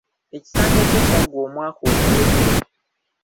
Ekisanya kye kyaggwa omwaka oguwedde.